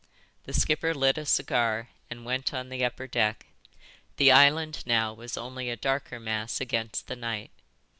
The skipper lit a cigar and went on the upper deck. The island now was only a darker mass against the night.